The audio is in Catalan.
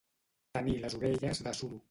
Tenir les orelles de suro.